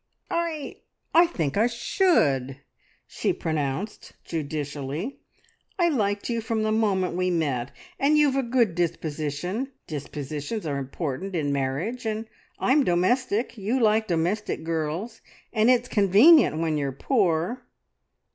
"I I think I should!" she pronounced judicially. "I liked you from the moment we met, and you've a good disposition. Dispositions are important in marriage. And I'm domestic; you like domestic girls, and it's convenient when you're poor.